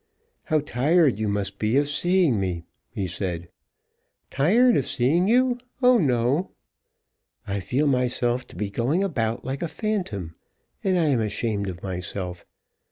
"How tired you must be of seeing me," he said. "Tired of seeing you? Oh no!" "I feel myself to be going about like a phantom, and I am ashamed of myself.